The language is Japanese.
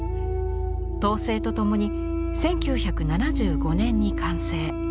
「濤声」と共に１９７５年に完成。